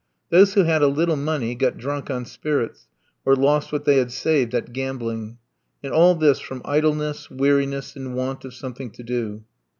Those who had a little money got drunk on spirits, or lost what they had saved at gambling. And all this from idleness, weariness, and want of something to do.